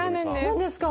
何ですか？